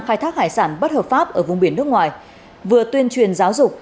khai thác hải sản bất hợp pháp ở vùng biển nước ngoài vừa tuyên truyền giáo dục